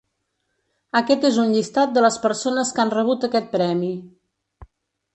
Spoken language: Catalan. Aquest és un llistat de les persones que han rebut aquest premi.